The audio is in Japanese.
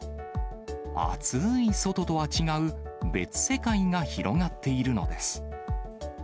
暑ーい外とは違う、別世界が広がっているのです。